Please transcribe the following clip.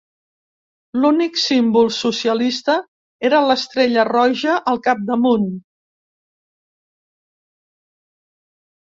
L'únic símbol socialista era l'estrella roja al capdamunt.